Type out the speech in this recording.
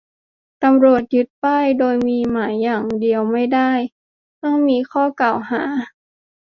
ตำรวจจะยึดป้าย โดยมีหมายอย่างเดียวไม่ได้ ต้องมีข้อกล่าวหา